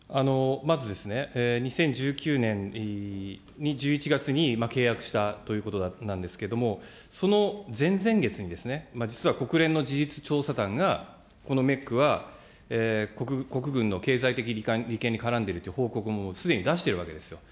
まずですね、２０１９年１１月に、契約したということなんですけども、その前々月に、実は国連の事実調査団が、このメックは、国軍の経済的利権に絡んでいるという報告をもうすでに出してるわけですよ。